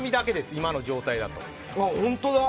今の状態だと。